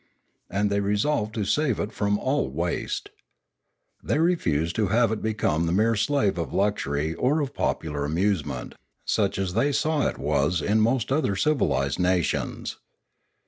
And they resolved to save it from all waste. They refused to have it become the mere slave of luxury or of popular amusement, such as they saw it was in most other civilised nations.